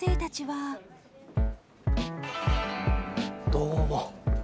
どうも。